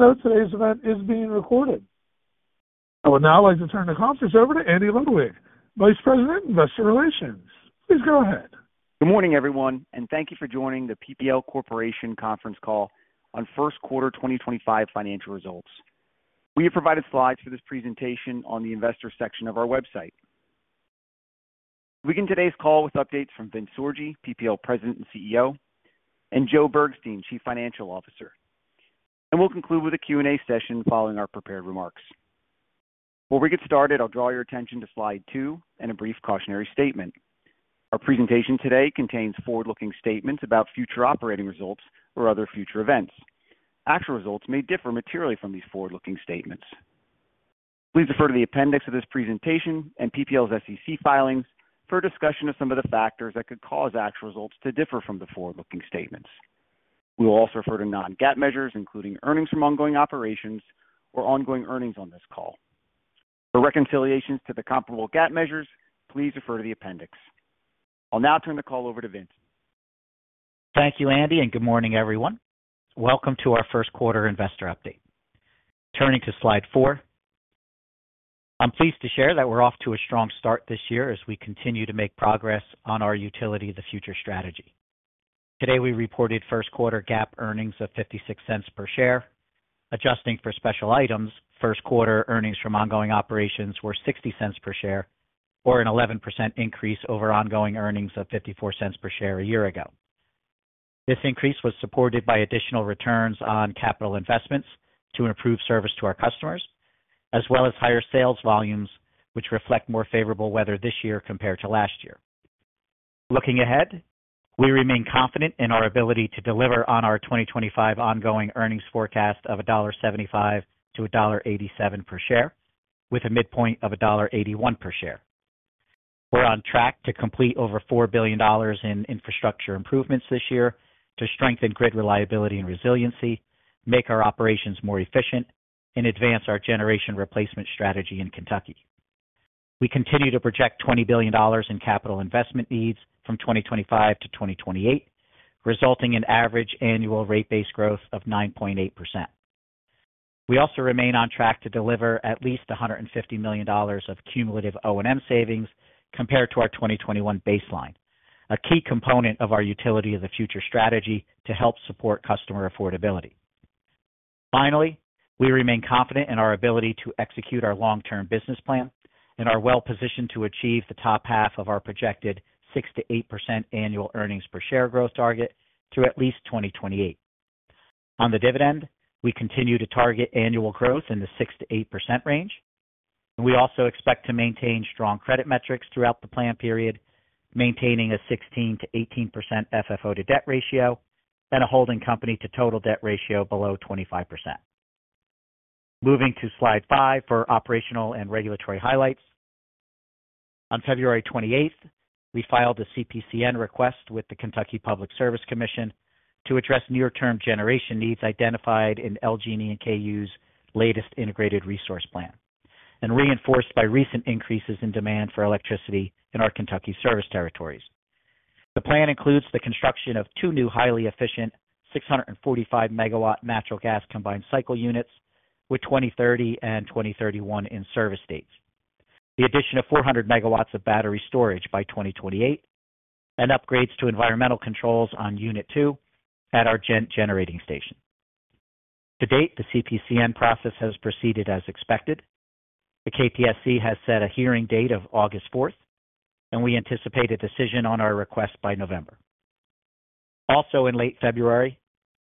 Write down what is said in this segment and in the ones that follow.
Hello to everyone that is being recorded. I would now like to turn the conference over to Andy Ludwig, Vice President, Investor Relations. Please go ahead. Good morning, everyone, and thank you for joining the PPL Corporation conference call on first quarter 2025 financial results. We have provided slides for this presentation on the investor section of our website. We begin today's call with updates from Vince Sorgi, PPL President and CEO, and Joe Bergstein, Chief Financial Officer. We will conclude with a Q&A session following our prepared remarks. Before we get started, I'll draw your attention to slide two and a brief cautionary statement. Our presentation today contains forward-looking statements about future operating results or other future events. Actual results may differ materially from these forward-looking statements. Please refer to the appendix of this presentation and PPL's SEC filings for a discussion of some of the factors that could cause actual results to differ from the forward-looking statements. We will also refer to non-GAAP measures, including earnings from ongoing operations or ongoing earnings on this call. For reconciliations to the comparable GAAP measures, please refer to the appendix. I'll now turn the call over to Vince. Thank you, Andy, and good morning, everyone. Welcome to our first quarter investor update. Turning to slide four, I'm pleased to share that we're off to a strong start this year as we continue to make progress on our utility of the future strategy. Today, we reported first quarter GAAP earnings of $0.56 per share. Adjusting for special items, first quarter earnings from ongoing operations were $0.60 per share, or an 11% increase over ongoing earnings of $0.54 per share a year ago. This increase was supported by additional returns on capital investments to improve service to our customers, as well as higher sales volumes, which reflect more favorable weather this year compared to last year. Looking ahead, we remain confident in our ability to deliver on our 2025 ongoing earnings forecast of $1.75-$1.87 per share, with a midpoint of $1.81 per share. We're on track to complete over $4 billion in infrastructure improvements this year to strengthen grid reliability and resiliency, make our operations more efficient, and advance our generation replacement strategy in Kentucky. We continue to project $20 billion in capital investment needs from 2025 to 2028, resulting in average annual rate-based growth of 9.8%. We also remain on track to deliver at least $150 million of cumulative O&M savings compared to our 2021 baseline, a key component of our utility of the future strategy to help support customer affordability. Finally, we remain confident in our ability to execute our long-term business plan and are well positioned to achieve the top half of our projected 6%-8% annual earnings per share growth target through at least 2028. On the dividend, we continue to target annual growth in the 6%-8% range. We also expect to maintain strong credit metrics throughout the plan period, maintaining a 16%-18% FFO to debt ratio and a holding company to total debt ratio below 25%. Moving to slide five for operational and regulatory highlights. On February 28, we filed a CPCN request with the Kentucky Public Service Commission to address near-term generation needs identified in LG&E and KU's latest integrated resource plan and reinforced by recent increases in demand for electricity in our Kentucky service territories. The plan includes the construction of two new highly efficient 645 MW natural gas combined cycle units with 2030 and 2031 in service dates, the addition of 400 MW of battery storage by 2028, and upgrades to environmental controls on unit two at our generating station. To date, the CPCN process has proceeded as expected. The KPSC has set a hearing date of August 4th, and we anticipate a decision on our request by November. Also, in late February,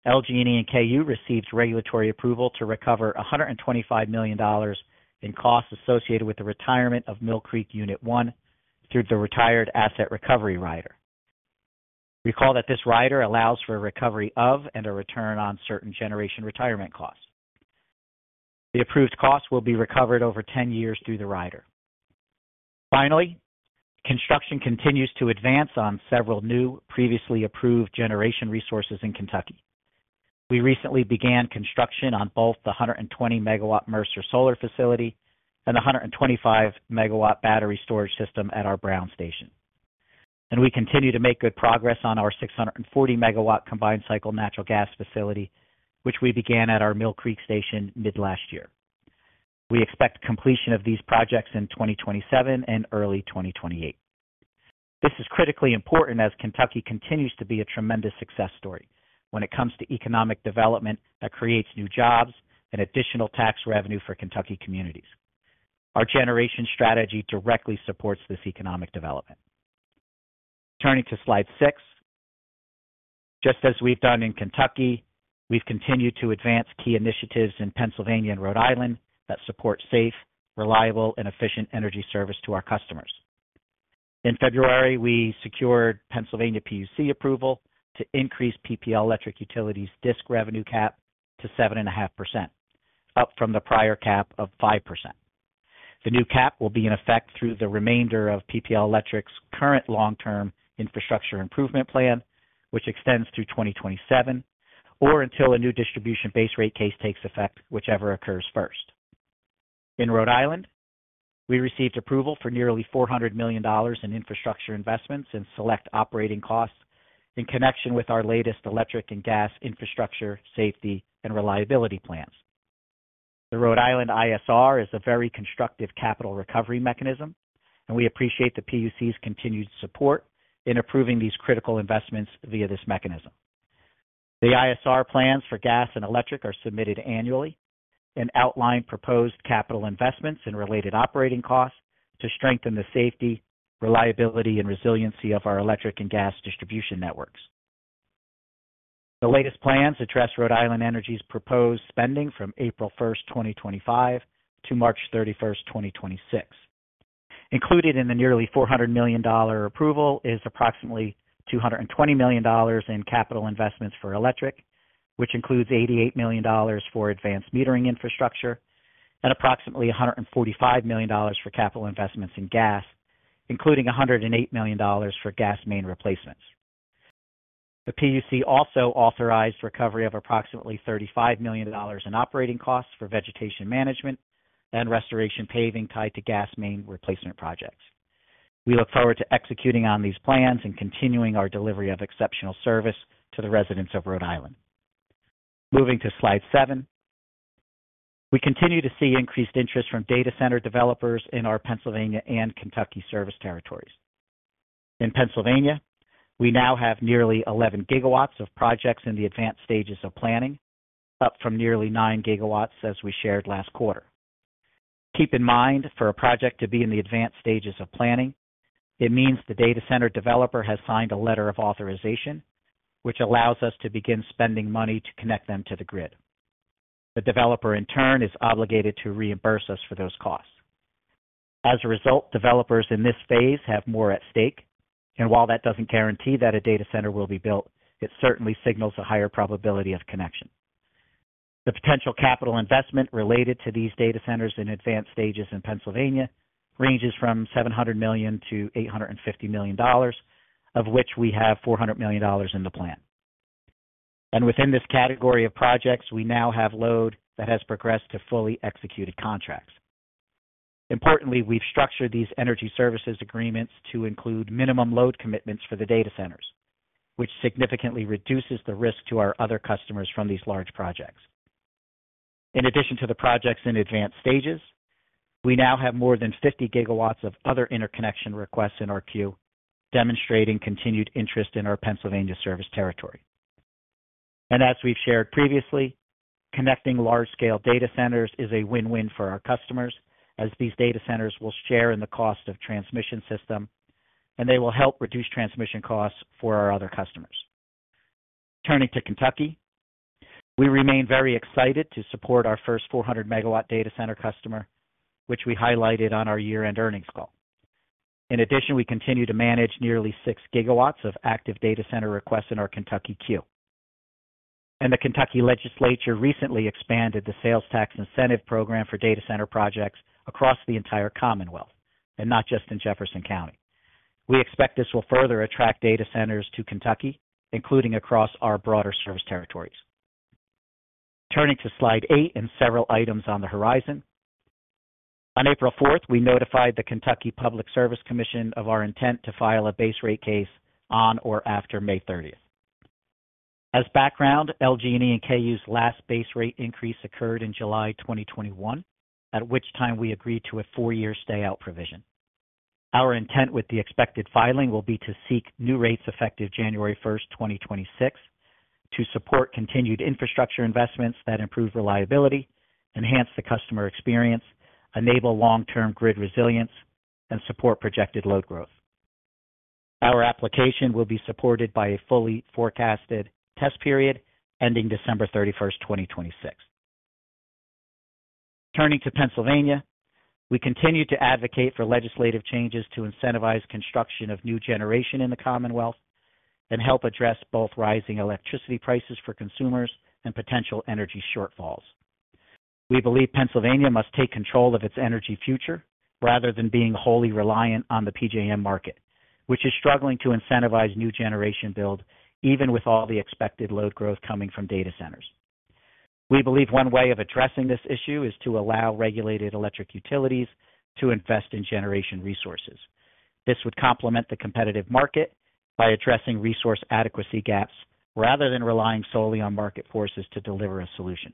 LG&E and KU received regulatory approval to recover $125 million in costs associated with the retirement of Mill Creek Unit 1 through the retired asset recovery rider. Recall that this rider allows for a recovery of and a return on certain generation retirement costs. The approved costs will be recovered over 10 years through the rider. Finally, construction continues to advance on several new previously approved generation resources in Kentucky. We recently began construction on both the 120 MW Mercer Solar facility and the 125 MW battery storage system at our Brown Station. We continue to make good progress on our 640 MW combined cycle natural gas facility, which we began at our Mill Creek Station mid-last year. We expect completion of these projects in 2027 and early 2028. This is critically important as Kentucky continues to be a tremendous success story when it comes to economic development that creates new jobs and additional tax revenue for Kentucky communities. Our generation strategy directly supports this economic development. Turning to slide six, just as we've done in Kentucky, we've continued to advance key initiatives in Pennsylvania and Rhode Island that support safe, reliable, and efficient energy service to our customers. In February, we secured Pennsylvania PUC approval to increase PPL Electric Utilities' DSIC revenue cap to 7.5%, up from the prior cap of 5%. The new cap will be in effect through the remainder of PPL Electric's current long-term infrastructure improvement plan, which extends through 2027 or until a new distribution base rate case takes effect, whichever occurs first. In Rhode Island, we received approval for nearly $400 million in infrastructure investments and select operating costs in connection with our latest electric and gas infrastructure safety and reliability plans. The Rhode Island ISR is a very constructive capital recovery mechanism, and we appreciate the PUC's continued support in approving these critical investments via this mechanism. The ISR plans for gas and electric are submitted annually and outline proposed capital investments and related operating costs to strengthen the safety, reliability, and resiliency of our electric and gas distribution networks. The latest plans address Rhode Island Energy's proposed spending from April 1st, 2025, to March 31st, 2026. Included in the nearly $400 million approval is approximately $220 million in capital investments for electric, which includes $88 million for advanced metering infrastructure and approximately $145 million for capital investments in gas, including $108 million for gas main replacements. The PUC also authorized recovery of approximately $35 million in operating costs for vegetation management and restoration paving tied to gas main replacement projects. We look forward to executing on these plans and continuing our delivery of exceptional service to the residents of Rhode Island. Moving to slide seven, we continue to see increased interest from data center developers in our Pennsylvania and Kentucky service territories. In Pennsylvania, we now have nearly 11 GW of projects in the advanced stages of planning, up from nearly 9 GW as we shared last quarter. Keep in mind, for a project to be in the advanced stages of planning, it means the data center developer has signed a letter of authorization, which allows us to begin spending money to connect them to the grid. The developer, in turn, is obligated to reimburse us for those costs. As a result, developers in this phase have more at stake. While that does not guarantee that a data center will be built, it certainly signals a higher probability of connection. The potential capital investment related to these data centers in advanced stages in Pennsylvania ranges from $700 million-$850 million, of which we have $400 million in the plan. Within this category of projects, we now have load that has progressed to fully executed contracts. Importantly, we have structured these energy services agreements to include minimum load commitments for the data centers, which significantly reduces the risk to our other customers from these large projects. In addition to the projects in advanced stages, we now have more than 50 GW of other interconnection requests in our queue, demonstrating continued interest in our Pennsylvania service territory. As we've shared previously, connecting large-scale data centers is a win-win for our customers, as these data centers will share in the cost of transmission systems, and they will help reduce transmission costs for our other customers. Turning to Kentucky, we remain very excited to support our first 400 MW data center customer, which we highlighted on our year-end earnings call. In addition, we continue to manage nearly 6 GW of active data center requests in our Kentucky queue. The Kentucky legislature recently expanded the sales tax incentive program for data center projects across the entire Commonwealth and not just in Jefferson County. We expect this will further attract data centers to Kentucky, including across our broader service territories. Turning to slide eight and several items on the horizon. On April 4th, we notified the Kentucky Public Service Commission of our intent to file a base rate case on or after May 30th. As background, LG&E and KU's last base rate increase occurred in July 2021, at which time we agreed to a four-year stay-out provision. Our intent with the expected filing will be to seek new rates effective January 1st, 2026, to support continued infrastructure investments that improve reliability, enhance the customer experience, enable long-term grid resilience, and support projected load growth. Our application will be supported by a fully forecasted test period ending December 31st, 2026. Turning to Pennsylvania, we continue to advocate for legislative changes to incentivize construction of new generation in the Commonwealth and help address both rising electricity prices for consumers and potential energy shortfalls. We believe Pennsylvania must take control of its energy future rather than being wholly reliant on the PJM market, which is struggling to incentivize new generation build even with all the expected load growth coming from data centers. We believe one way of addressing this issue is to allow regulated electric utilities to invest in generation resources. This would complement the competitive market by addressing resource adequacy gaps rather than relying solely on market forces to deliver a solution.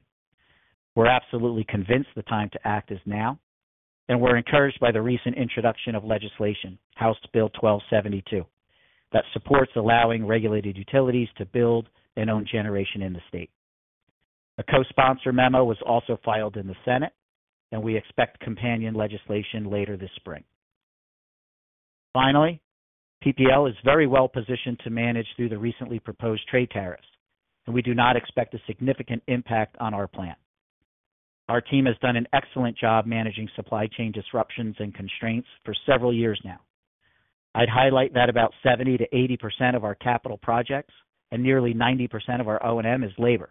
We're absolutely convinced the time to act is now, and we're encouraged by the recent introduction of legislation House Bill 1272 that supports allowing regulated utilities to build and own generation in the state. A co-sponsor memo was also filed in the Senate, and we expect companion legislation later this spring. Finally, PPL is very well positioned to manage through the recently proposed trade tariffs, and we do not expect a significant impact on our plan. Our team has done an excellent job managing supply chain disruptions and constraints for several years now. I'd highlight that about 70%-80% of our capital projects and nearly 90% of our O&M is labor.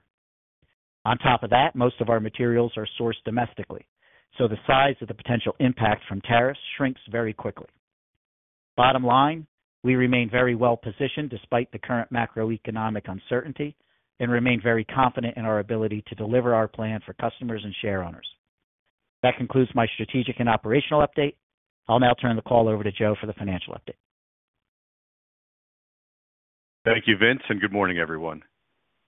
On top of that, most of our materials are sourced domestically, so the size of the potential impact from tariffs shrinks very quickly. Bottom line, we remain very well positioned despite the current macroeconomic uncertainty and remain very confident in our ability to deliver our plan for customers and share owners. That concludes my strategic and operational update. I'll now turn the call over to Joe for the financial update. Thank you, Vince, and good morning, everyone.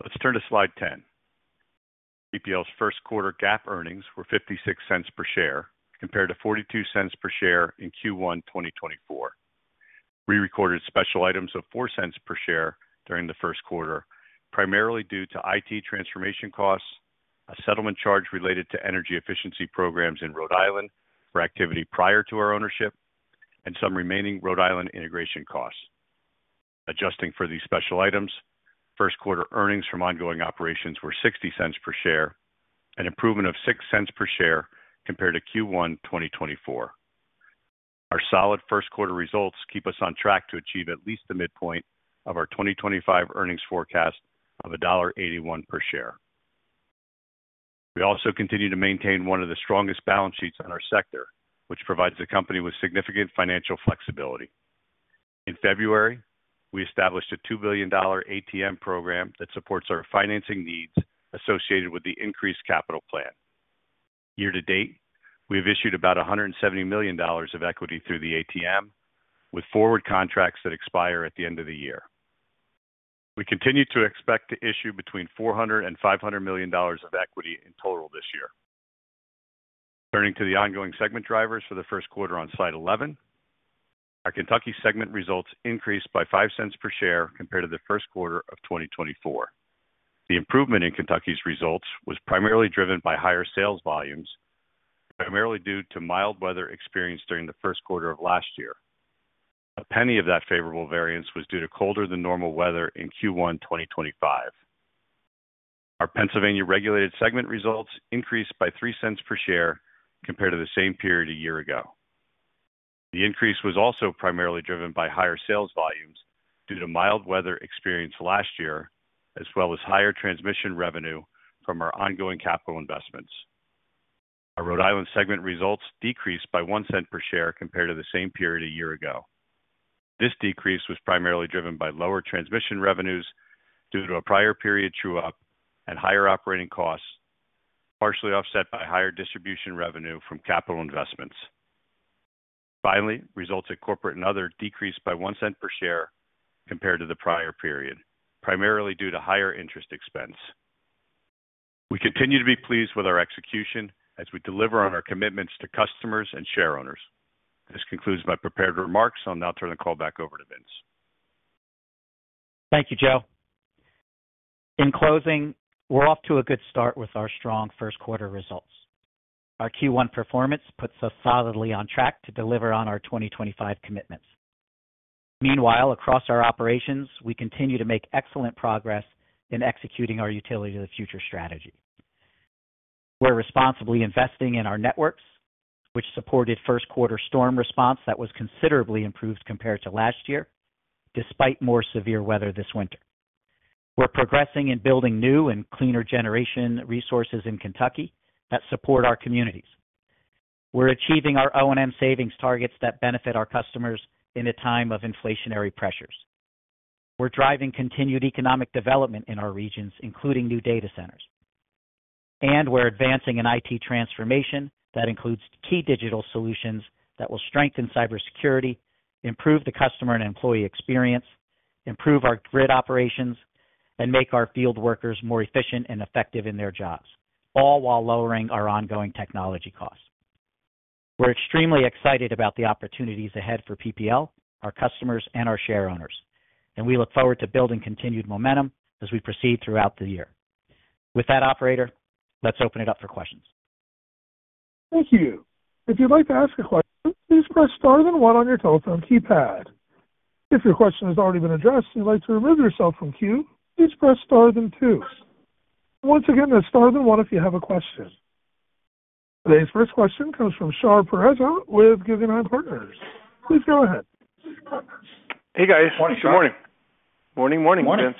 Let's turn to slide 10. PPL's first quarter GAAP earnings were $0.56 per share compared to $0.42 per share in Q1 2024. We recorded special items of $0.04 per share during the first quarter, primarily due to IT transformation costs, a settlement charge related to energy efficiency programs in Rhode Island for activity prior to our ownership, and some remaining Rhode Island integration costs. Adjusting for these special items, first quarter earnings from ongoing operations were $0.60 per share, an improvement of $0.06 per share compared to Q1 2024. Our solid first quarter results keep us on track to achieve at least the midpoint of our 2025 earnings forecast of $1.81 per share. We also continue to maintain one of the strongest balance sheets in our sector, which provides the company with significant financial flexibility. In February, we established a $2 billion ATM program that supports our financing needs associated with the increased capital plan. Year to date, we have issued about $170 million of equity through the ATM, with forward contracts that expire at the end of the year. We continue to expect to issue between $400 and $500 million of equity in total this year. Turning to the ongoing segment drivers for the first quarter on slide 11, our Kentucky segment results increased by 5 cents per share compared to the first quarter of 2024. The improvement in Kentucky's results was primarily driven by higher sales volumes, primarily due to mild weather experienced during the first quarter of last year. A penny of that favorable variance was due to colder than normal weather in Q1 2025. Our Pennsylvania regulated segment results increased by $0.03 per share compared to the same period a year ago. The increase was also primarily driven by higher sales volumes due to mild weather experienced last year, as well as higher transmission revenue from our ongoing capital investments. Our Rhode Island segment results decreased by $0.01 per share compared to the same period a year ago. This decrease was primarily driven by lower transmission revenues due to a prior period true-up and higher operating costs, partially offset by higher distribution revenue from capital investments. Finally, results at corporate and other decreased by 1 cent per share compared to the prior period, primarily due to higher interest expense. We continue to be pleased with our execution as we deliver on our commitments to customers and share owners. This concludes my prepared remarks. I'll now turn the call back over to Vince. Thank you, Joe. In closing, we're off to a good start with our strong first quarter results. Our Q1 performance puts us solidly on track to deliver on our 2025 commitments. Meanwhile, across our operations, we continue to make excellent progress in executing our utility-to-the-future strategy. We're responsibly investing in our networks, which supported first quarter storm response that was considerably improved compared to last year, despite more severe weather this winter. We're progressing in building new and cleaner generation resources in Kentucky that support our communities. We're achieving our O&M savings targets that benefit our customers in a time of inflationary pressures. We're driving continued economic development in our regions, including new data centers. We are advancing an IT transformation that includes key digital solutions that will strengthen cybersecurity, improve the customer and employee experience, improve our grid operations, and make our field workers more efficient and effective in their jobs, all while lowering our ongoing technology costs. We are extremely excited about the opportunities ahead for PPL, our customers, and our share owners, and we look forward to building continued momentum as we proceed throughout the year. With that, Operator, let's open it up for questions. Thank you. If you'd like to ask a question, please press star then one on your telephone keypad. If your question has already been addressed and you'd like to remove yourself from queue, please press star then two. Once again, that's star then one if you have a question. Today's first question comes from Shar Pourreza with Guggenheim Partners. Please go ahead. Hey, guys. Good morning. Morning. Morning, Vince.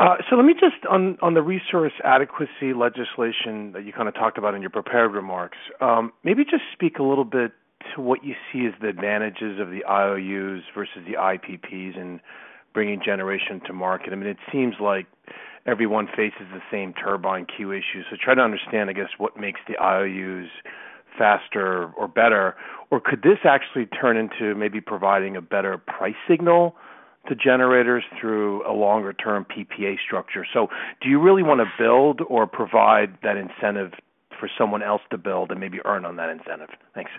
Let me just, on the resource adequacy legislation that you kind of talked about in your prepared remarks, maybe just speak a little bit to what you see as the advantages of the IOUs versus the IPPs in bringing generation to market. I mean, it seems like everyone faces the same turbine queue issues. Try to understand, I guess, what makes the IOUs faster or better, or could this actually turn into maybe providing a better price signal to generators through a longer-term PPA structure? Do you really want to build or provide that incentive for someone else to build and maybe earn on that incentive? Thanks.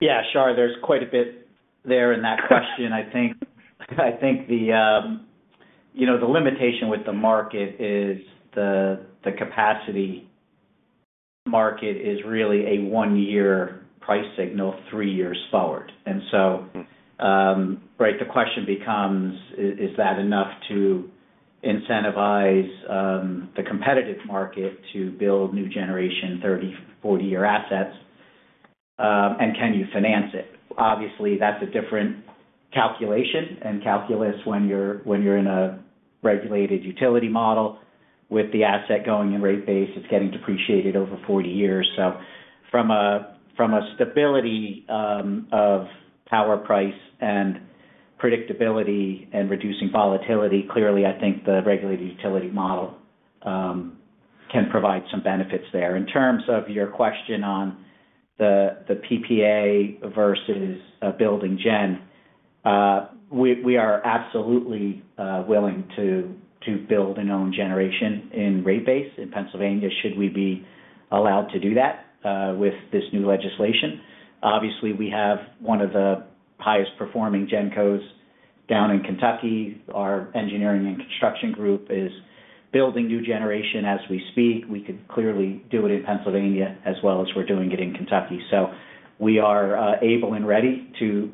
Yeah, sure. There is quite a bit there in that question. I think the limitation with the market is the capacity market is really a one-year price signal three years forward. Right, the question becomes, is that enough to incentivize the competitive market to build new generation 30, 40-year assets? Can you finance it? Obviously, that's a different calculation and calculus when you're in a regulated utility model with the asset going in rate base, it's getting depreciated over 40 years. From a stability of power price and predictability and reducing volatility, clearly, I think the regulated utility model can provide some benefits there. In terms of your question on the PPA versus building gen, we are absolutely willing to build and own generation in rate base in Pennsylvania should we be allowed to do that with this new legislation. Obviously, we have one of the highest performing gen codes down in Kentucky. Our engineering and construction group is building new generation as we speak. We could clearly do it in Pennsylvania as well as we're doing it in Kentucky. We are able and ready to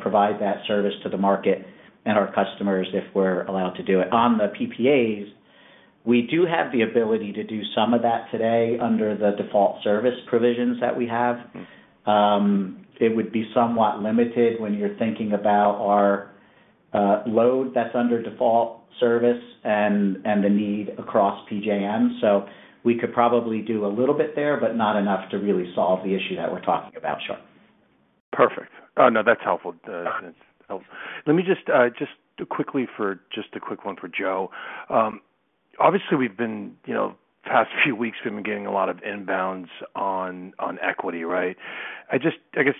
provide that service to the market and our customers if we're allowed to do it. On the PPAs, we do have the ability to do some of that today under the default service provisions that we have. It would be somewhat limited when you're thinking about our load that's under default service and the need across PJM. We could probably do a little bit there, but not enough to really solve the issue that we're talking about, sure. Perfect. Oh, no, that's helpful. Let me just quickly for just a quick one for Joe. Obviously, the past few weeks we've been getting a lot of inbounds on equity, right? I guess,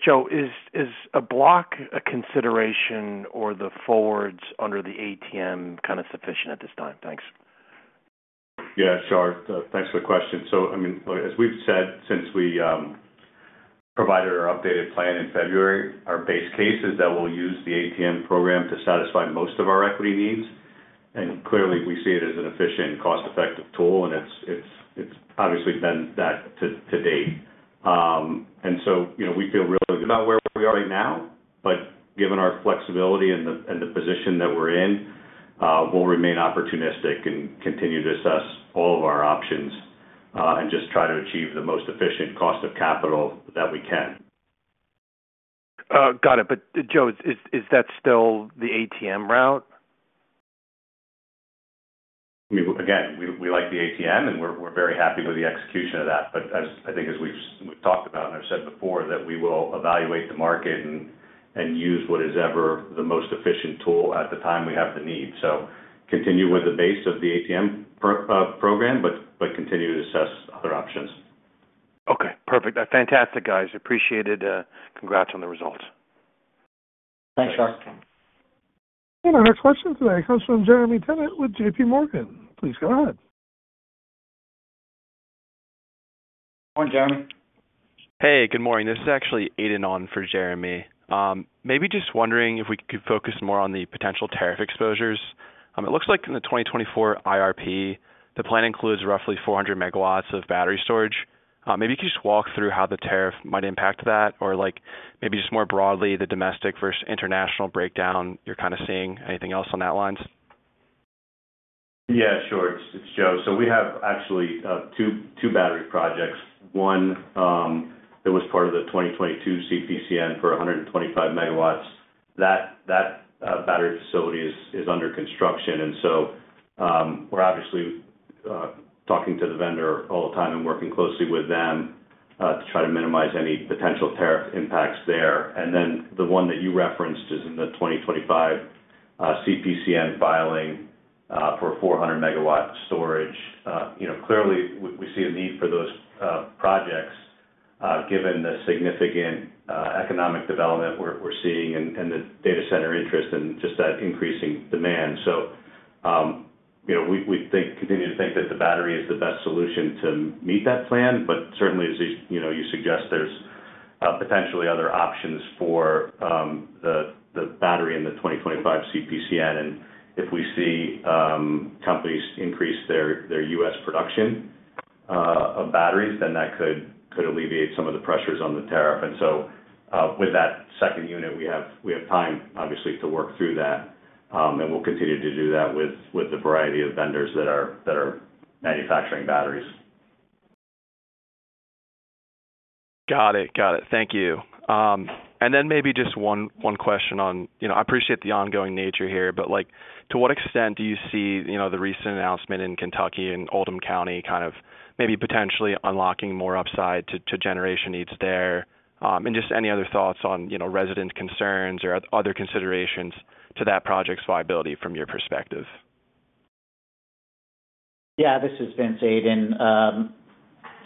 Joe, is a block a consideration or the forwards under the ATM kind of sufficient at this time? Thanks. Yeah, sure. Thanks for the question. I mean, as we've said, since we provided our updated plan in February, our base case is that we'll use the ATM program to satisfy most of our equity needs. Clearly, we see it as an efficient, cost-effective tool, and it's obviously been that to date. We feel really good about where we are right now, but given our flexibility and the position that we're in, we'll remain opportunistic and continue to assess all of our options and just try to achieve the most efficient cost of capital that we can. Got it. But, Joe, is that still the ATM route? I mean, again, we like the ATM, and we're very happy with the execution of that. I think, as we've talked about and I've said before, that we will evaluate the market and use whatever is the most efficient tool at the time we have the need. Continue with the base of the ATM program, but continue to assess other options. Okay. Perfect. Fantastic, guys. Appreciate it. Congrats on the results. Thanks, Shahr. Our next question today comes from Jeremy Tonet with JP Morgan. Please go ahead. Morning, Jeremy. Hey, good morning. This is actually Aidan on for Jeremy. Maybe just wondering if we could focus more on the potential tariff exposures. It looks like in the 2024 IRP, the plan includes roughly 400 MW of battery storage. Maybe you could just walk through how the tariff might impact that, or maybe just more broadly, the domestic versus international breakdown you're kind of seeing. Anything else on that lines? Yeah, sure. It's Joe. We have actually two battery projects. One that was part of the 2022 CPCN for 125 MW. That battery facility is under construction. We are obviously talking to the vendor all the time and working closely with them to try to minimize any potential tariff impacts there. The one that you referenced is in the 2025 CPCN filing for 400 MW storage. Clearly, we see a need for those projects given the significant economic development we are seeing and the data center interest and just that increasing demand. We continue to think that the battery is the best solution to meet that plan, but certainly, as you suggest, there are potentially other options for the battery in the 2025 CPCN. If we see companies increase their U.S. production of batteries, then that could alleviate some of the pressures on the tariff. With that second unit, we have time, obviously, to work through that. We'll continue to do that with the variety of vendors that are manufacturing batteries. Got it. Got it. Thank you. Maybe just one question on, I appreciate the ongoing nature here, but to what extent do you see the recent announcement in Kentucky and Oldham County kind of maybe potentially unlocking more upside to generation needs there? Any other thoughts on residents' concerns or other considerations to that project's viability from your perspective? Yeah, this is Vince Aiden.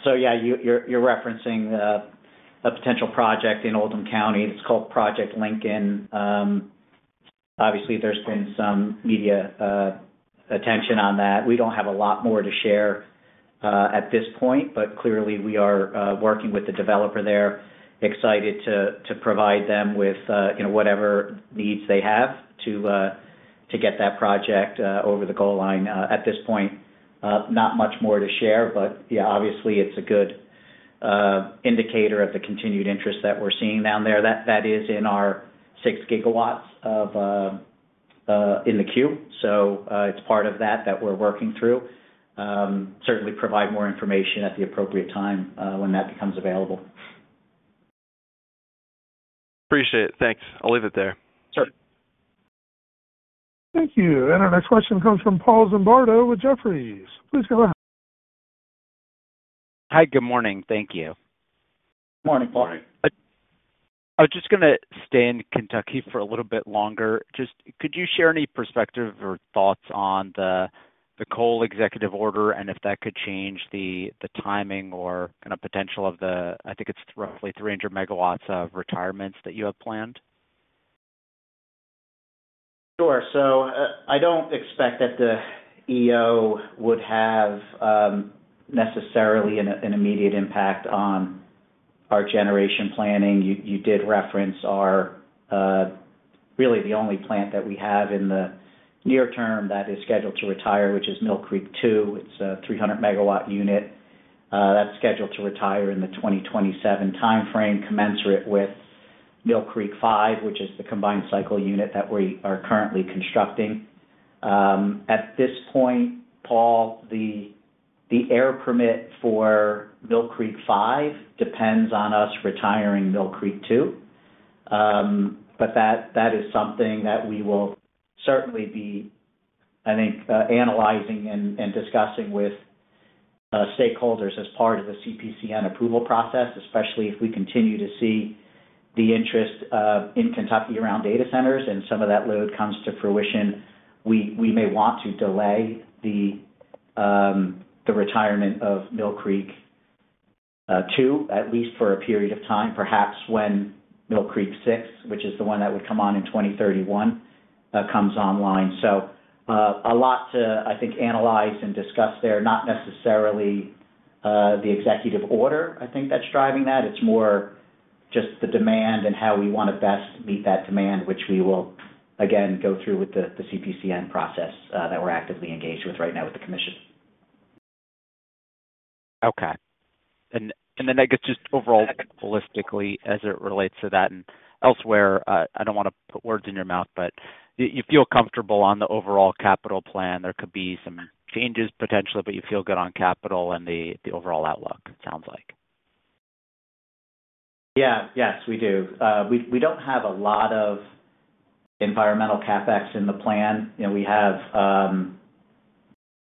You're referencing a potential project in Oldham County. It's called Project Lincoln. Obviously, there's been some media attention on that. We don't have a lot more to share at this point, but clearly, we are working with the developer there, excited to provide them with whatever needs they have to get that project over the goal line at this point. Not much more to share, but yeah, obviously, it's a good indicator of the continued interest that we're seeing down there. That is in our 6 GW in the queue. So it's part of that that we're working through. Certainly, provide more information at the appropriate time when that becomes available. Appreciate it. Thanks. I'll leave it there. Sure. Thank you. Our next question comes from Paul Zimbardo with Jefferies. Please go ahead. Hi, good morning. Thank you. Morning, Paul. I was just going to stay in Kentucky for a little bit longer. Just could you share any perspective or thoughts on the coal executive order and if that could change the timing or kind of potential of the, I think it's roughly 300 MW of retirements that you have planned? Sure. I don't expect that the EO would have necessarily an immediate impact on our generation planning. You did reference our really the only plant that we have in the near term that is scheduled to retire, which is Mill Creek 2. It's a 300 MW unit that's scheduled to retire in the 2027 timeframe, commensurate with Mill Creek 5, which is the combined cycle unit that we are currently constructing. At this point, Paul, the air permit for Mill Creek 5 depends on us retiring Mill Creek 2. That is something that we will certainly be, I think, analyzing and discussing with stakeholders as part of the CPCN approval process, especially if we continue to see the interest in Kentucky around data centers. If some of that load comes to fruition, we may want to delay the retirement of Mill Creek 2, at least for a period of time, perhaps when Mill Creek 6, which is the one that would come on in 2031, comes online. There is a lot to, I think, analyze and discuss there, not necessarily the executive order, I think, that's driving that. It is more just the demand and how we want to best meet that demand, which we will, again, go through with the CPCN process that we're actively engaged with right now with the commission. Okay. I guess just overall, holistically, as it relates to that and elsewhere, I don't want to put words in your mouth, but you feel comfortable on the overall capital plan. There could be some changes potentially, but you feel good on capital and the overall outlook, it sounds like. Yeah. Yes, we do. We don't have a lot of environmental CapEx in the plan. We have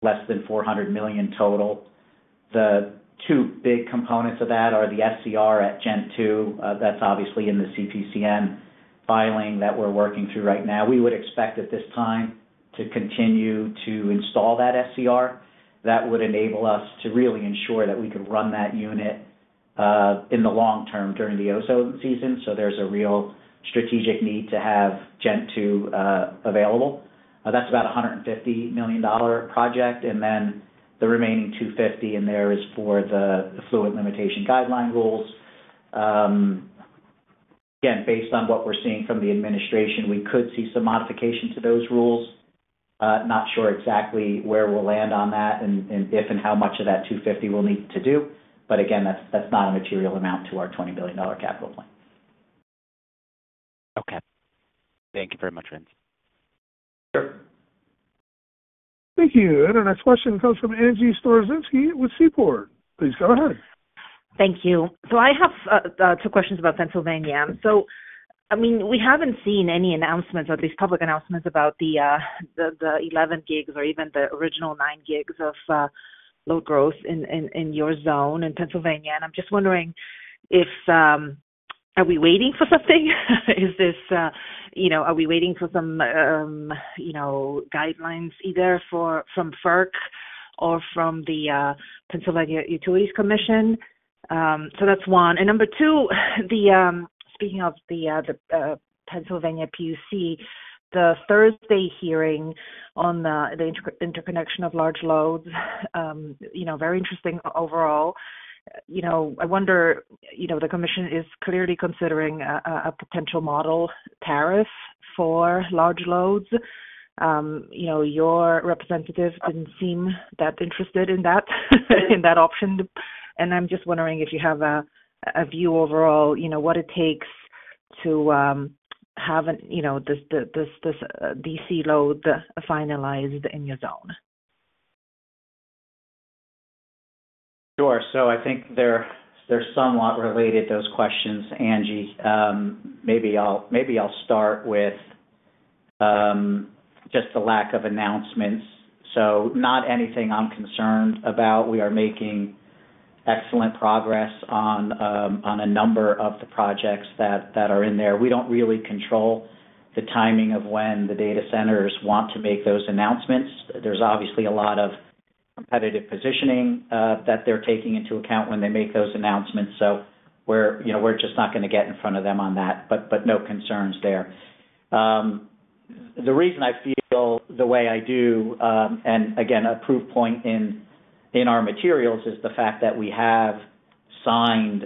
less than $400 million total. The two big components of that are the SCR at Ghent 2. That's obviously in the CPCN filing that we're working through right now. We would expect at this time to continue to install that SCR. That would enable us to really ensure that we could run that unit in the long term during the ozone season. There is a real strategic need to have Ghent 2 available. That's about a $150 million project. And then the remaining 250 in there is for the Effluent Limitation Guideline rules. Again, based on what we're seeing from the administration, we could see some modification to those rules. Not sure exactly where we'll land on that and if and how much of that 250 we'll need to do. Again, that's not a material amount to our $20 billion capital plan. Thank you very much, Vince. Sure. Thank you. Our next question comes from Angie Storozynski with Seaport. Please go ahead. Thank you. I have two questions about Pennsylvania. I mean, we haven't seen any announcements, at least public announcements about the 11 gigs or even the original 9 gigs of load growth in your zone in Pennsylvania. I'm just wondering, are we waiting for something? Are we waiting for some guidelines either from FERC or from the Pennsylvania Utilities Commission? That's one. Number two, speaking of the Pennsylvania PUC, the Thursday hearing on the interconnection of large loads, very interesting overall. I wonder, the commission is clearly considering a potential model tariff for large loads. Your representative did not seem that interested in that option. I am just wondering if you have a view overall, what it takes to have this DC load finalized in your zone. Sure. I think they are somewhat related, those questions, Angie. Maybe I will start with just the lack of announcements. Not anything I am concerned about. We are making excellent progress on a number of the projects that are in there. We do not really control the timing of when the data centers want to make those announcements. There is obviously a lot of competitive positioning that they are taking into account when they make those announcements. We're just not going to get in front of them on that, but no concerns there. The reason I feel the way I do, and again, a proof point in our materials, is the fact that we have signed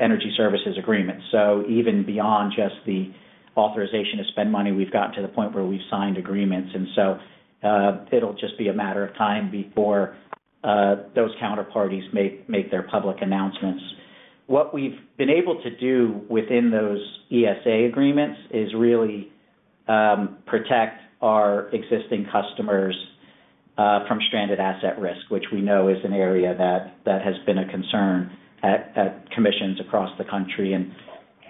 energy services agreements. Even beyond just the authorization to spend money, we've gotten to the point where we've signed agreements. It will just be a matter of time before those counterparties make their public announcements. What we've been able to do within those ESA agreements is really protect our existing customers from stranded asset risk, which we know is an area that has been a concern at commissions across the country.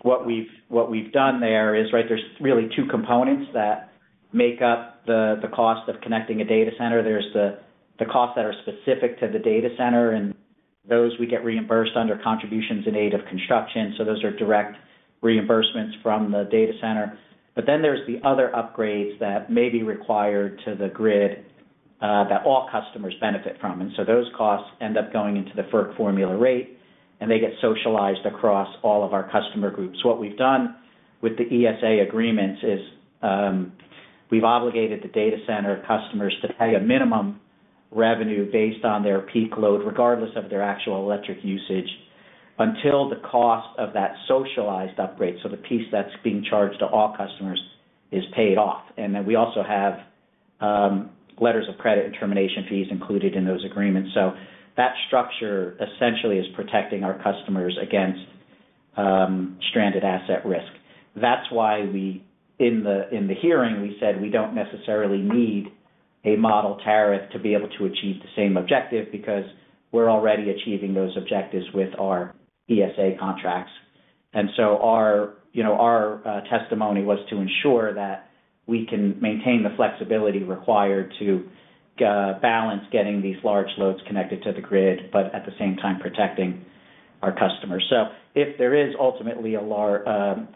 What we've done there is, right, there's really two components that make up the cost of connecting a data center. There's the costs that are specific to the data center, and those we get reimbursed under contributions in aid of construction. Those are direct reimbursements from the data center. There are other upgrades that may be required to the grid that all customers benefit from. Those costs end up going into the FERC formula rate, and they get socialized across all of our customer groups. What we've done with the ESA agreements is we've obligated the data center customers to pay a minimum revenue based on their peak load, regardless of their actual electric usage, until the cost of that socialized upgrade, the piece that's being charged to all customers, is paid off. We also have letters of credit and termination fees included in those agreements. That structure essentially is protecting our customers against stranded asset risk. That's why in the hearing, we said we don't necessarily need a model tariff to be able to achieve the same objective because we're already achieving those objectives with our ESA contracts. Our testimony was to ensure that we can maintain the flexibility required to balance getting these large loads connected to the grid, but at the same time protecting our customers. If there is ultimately a large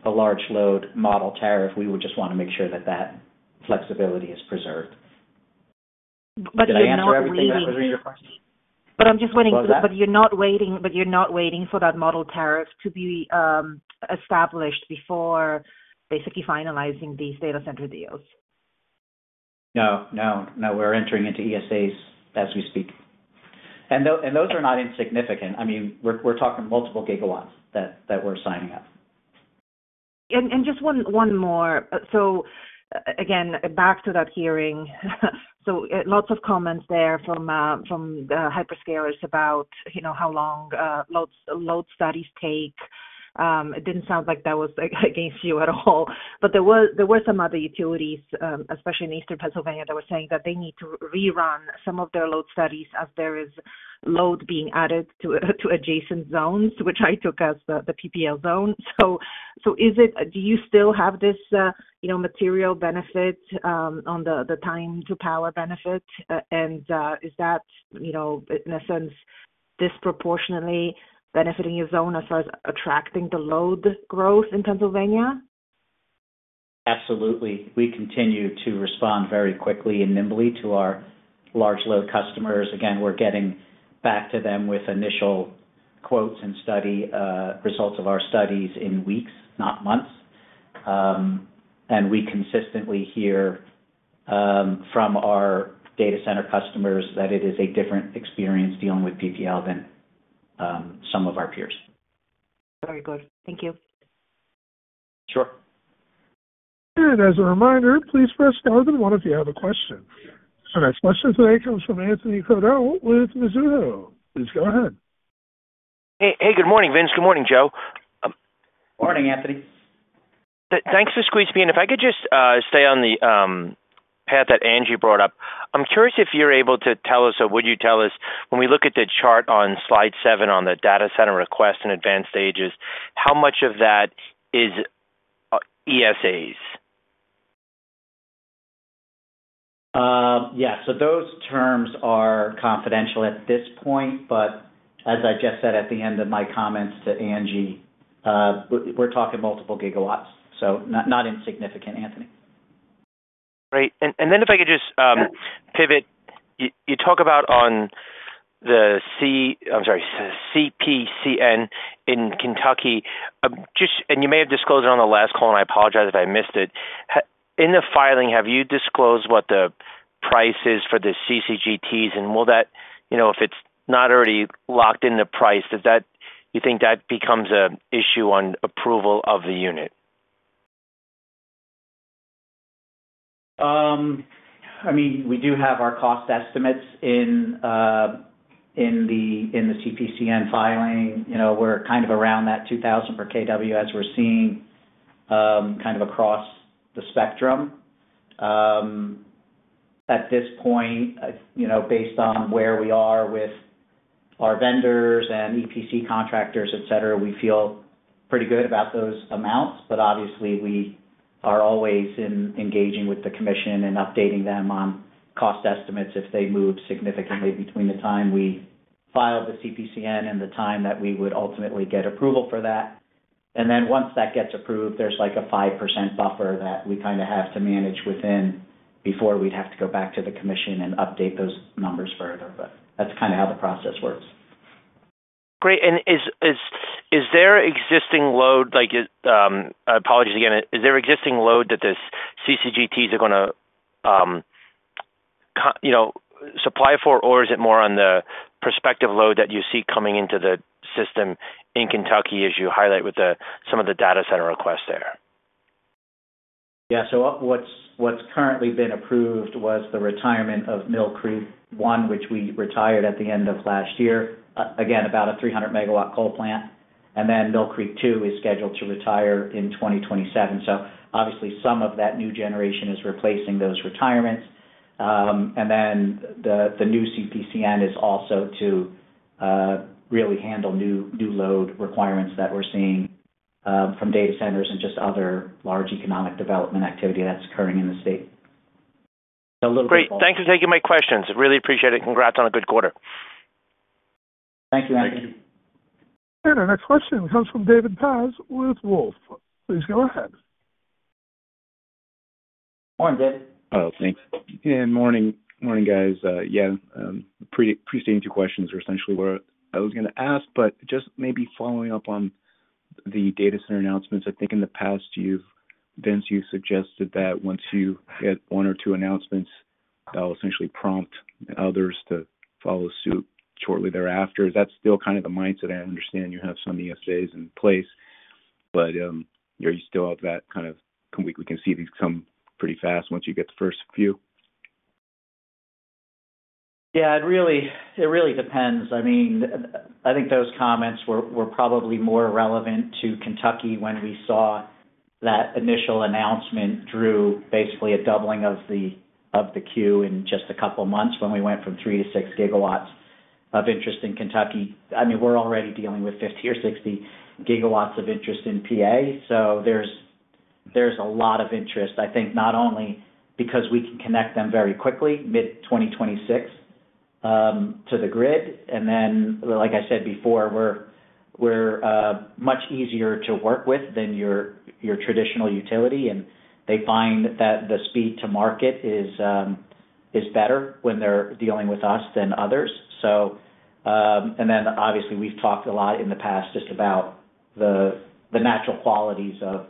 load model tariff, we would just want to make sure that that flexibility is preserved. I'm just wondering, you're not waiting for that model tariff to be established before basically finalizing these data center deals? No, no, no. We're entering into ESAs as we speak. Those are not insignificant. I mean, we're talking multiple gigawatts that we're signing up. Just one more. Again, back to that hearing. Lots of comments there from the hyperscalers about how long load studies take. It didn't sound like that was against you at all. There were some other utilities, especially in Eastern Pennsylvania, that were saying that they need to rerun some of their load studies as there is load being added to adjacent zones, which I took as the PPL zone. Do you still have this material benefit on the time-to-power benefit? Is that, in a sense, disproportionately benefiting your zone as far as attracting the load growth in Pennsylvania? Absolutely. We continue to respond very quickly and nimbly to our large load customers. Again, we're getting back to them with initial quotes and study results of our studies in weeks, not months. We consistently hear from our data center customers that it is a different experience dealing with PPL than some of our peers. Very good. Thank you. Sure. As a reminder, please press star then one if you have a question. Our next question today comes from Anthony Crowdell with Mizuho. Please go ahead. Hey, good morning, Vince. Good morning, Joe. Morning, Anthony. Thanks for squeezing me in. If I could just stay on the path that Angie brought up, I'm curious if you're able to tell us or would you tell us, when we look at the chart on slide seven on the data center request and advanced stages, how much of that is ESAs? Yeah. Those terms are confidential at this point. As I just said at the end of my comments to Angie, we're talking multiple gigawatts. Not insignificant, Anthony. Great. If I could just pivot, you talk about on the C—I'm sorry—CPCN in Kentucky. You may have disclosed it on the last call, and I apologize if I missed it. In the filing, have you disclosed what the price is for the CCGTs? Will that, if it's not already locked in the price, do you think that becomes an issue on approval of the unit? I mean, we do have our cost estimates in the CPCN filing. We're kind of around that $2,000 per kW as we're seeing kind of across the spectrum. At this point, based on where we are with our vendors and EPC contractors, etc., we feel pretty good about those amounts. Obviously, we are always engaging with the commission and updating them on cost estimates if they move significantly between the time we file the CPCN and the time that we would ultimately get approval for that. Once that gets approved, there's like a 5% buffer that we kind of have to manage within before we'd have to go back to the commission and update those numbers further. That's kind of how theprocess works. Great. Is there existing load—apologies again—is there existing load that the CCGTs are going to supply for, or is it more on the prospective load that you see coming into the system in Kentucky, as you highlight with some of the data center requests there? Yeah. What's currently been approved was the retirement of Mill Creek 1, which we retired at the end of last year, again, about a 300 MW coal plant. Mill Creek 2 is scheduled to retire in 2027. Obviously, some of that new generation is replacing those retirements. The new CPCN is also to really handle new load requirements that we're seeing from data centers and just other large economic development activity that's occurring in the state. A little bit of both. Great. Thanks for taking my questions. Really appreciate it. Congrats on a good quarter. Thank you, Anthony. Thank you. Our next question comes from David Paz with Wolfe. Please go ahead. Morning, David. Oh, thanks. Good morning, guys. Yeah. Preceding two questions are essentially what I was going to ask, but just maybe following up on the data center announcements. I think in the past, Vince, you suggested that once you get one or two announcements, that'll essentially prompt others to follow suit shortly thereafter. Is that still kind of the mindset? I understand you have some ESAs in place, but are you still of that kind of—we can see these come pretty fast once you get the first few? Yeah. It really depends. I mean, I think those comments were probably more relevant to Kentucky when we saw that initial announcement drew basically a doubling of the queue in just a couple of months when we went from 3 GW-6 GW of interest in Kentucky. I mean, we're already dealing with 50 GW or 60 GW of interest in Pennsylvania. There is a lot of interest, I think, not only because we can connect them very quickly, mid-2026, to the grid. Like I said before, we are much easier to work with than your traditional utility. They find that the speed to market is better when they are dealing with us than others. Obviously, we've talked a lot in the past just about the natural qualities of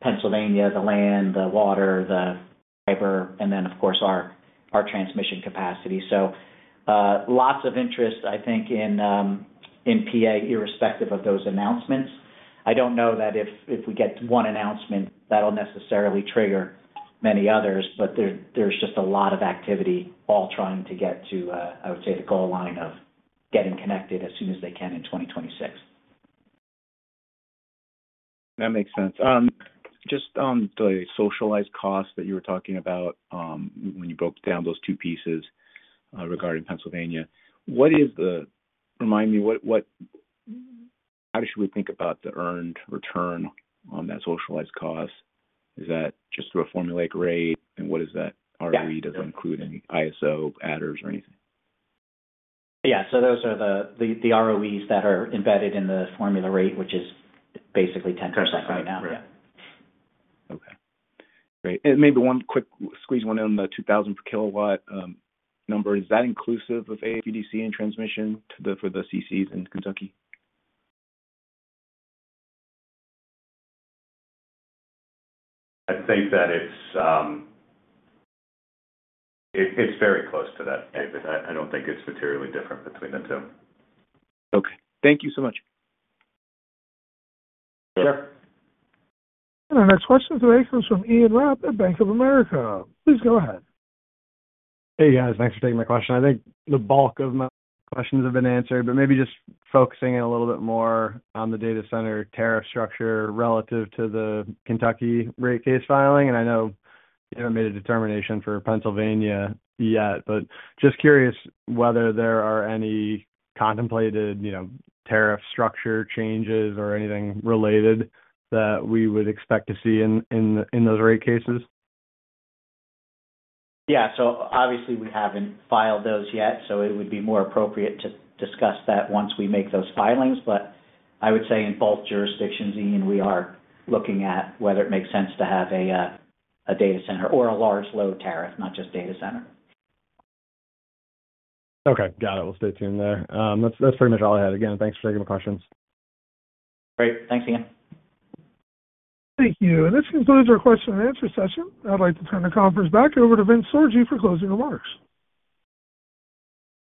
Pennsylvania, the land, the water, the fiber, and then, of course, our transmission capacity. Lots of interest, I think, in PA, irrespective of those announcements. I don't know that if we get one announcement, that'll necessarily trigger many others, but there's just a lot of activity all trying to get to, I would say, the goal line of getting connected as soon as they can in 2026. That makes sense. Just on the socialized costs that you were talking about when you broke down those two pieces regarding Pennsylvania, what is the—remind me, how should we think about the earned return on that socialized cost? Is that just through a formulaic rate, and what does that ROE? Does it include any ISO adders or anything? Yeah. Those are the ROEs that are embedded in the formula rate, which is basically 10% right now. Yeah. Okay. Great. Maybe one quick squeeze one in on the 2,000 per kilowatt number. Is that inclusive of AWDC and transmission for the CCs in Kentucky? I think that it's very close to that, David. I do not think it's materially different between the two. Okay. Thank you so much. Sure. Our next question today comes from Ian Rapp at Bank of America. Please go ahead. Hey, guys. Thanks for taking my question. I think the bulk of my questions have been answered, but maybe just focusing in a little bit more on the data center tariff structure relative to the Kentucky rate case filing. I know you haven't made a determination for Pennsylvania yet, but just curious whether there are any contemplated tariff structure changes or anything related that we would expect to see in those rate cases. Yeah. Obviously, we haven't filed those yet, so it would be more appropriate to discuss that once we make those filings. I would say in both jurisdictions, Ian, we are looking at whether it makes sense to have a data center or a large load tariff, not just data center. Okay. Got it. We'll stay tuned there. That's pretty much all I had. Again, thanks for taking my questions. Great. Thanks, Ian. Thank you. This concludes our question and answer session. I'd like to turn the conference back over to Vince Sorgi for closing remarks.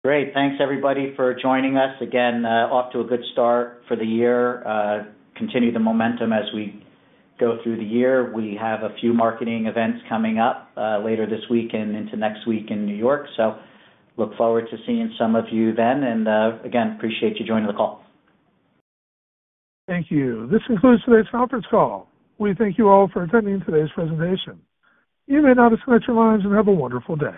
Great. Thanks, everybody, for joining us. Again, off to a good start for the year. Continue the momentum as we go through the year. We have a few marketing events coming up later this week and into next week in New York. I look forward to seeing some of you then. Again, appreciate you joining the call. Thank you. This concludes today's conference call. We thank you all for attending today's presentation. You may now disconnect your lines and have a wonderful day.